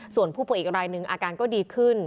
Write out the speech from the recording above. ส่วนผู้ป่วยอีกรายหนึ่งอาการก็ดีขึ้น